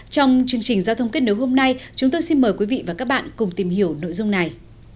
trong chương trình giao thông kết nối hôm nay chúng tôi xin mời quý vị và các bạn cùng tìm hiểu nội dung này